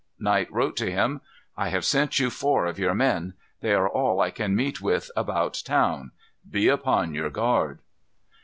Knight wrote to him: "I have sent you four of your men. They are all I can meet with about town. Be upon your guard."